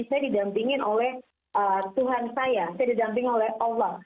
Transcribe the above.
saya didampingin oleh tuhan saya saya didampingi oleh allah